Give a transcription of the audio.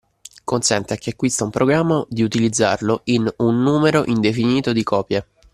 Consente a chi acquista un programma di utilizzarlo in un numero indefinito di copie.